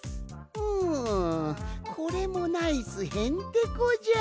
ううんこれもナイスへんてこじゃ！